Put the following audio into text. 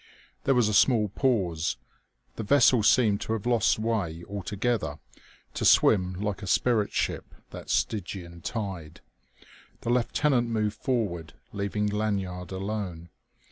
There was a small pause. The vessel seemed to have lost way altogether, to swim like a spirit ship that Stygian tide. The lieutenant moved forward, leaving Lanyard alone.